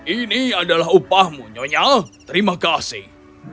ini adalah upahmu nyonya terima kasih